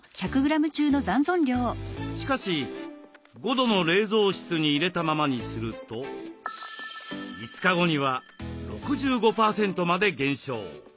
しかし５度の冷蔵室に入れたままにすると５日後には６５％まで減少。